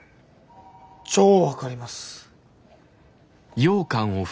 超分かります。